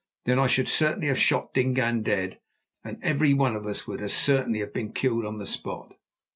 Then I should certainly have shot Dingaan dead and every one of us would as certainly have been killed on the spot.